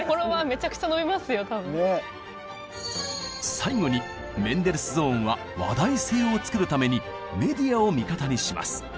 最後にメンデルスゾーンは話題性を作るためにメディアを味方にします。